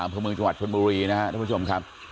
อำเภอเมืองจังหวัดชนบุรีนะครับทุกผู้ชมครับ